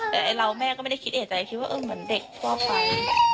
แต่เราแม่ก็ไม่ได้คิดเอกใจคิดว่าเหมือนเด็กทั่วไป